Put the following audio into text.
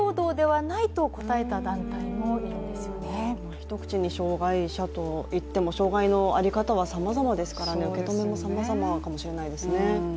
一口に障害者と言っても、障害の在り方はさまざまですから、受け止めもさまざまかもしれないですね。